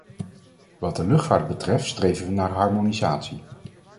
Wat de luchtvaart betreft streven we naar harmonisatie.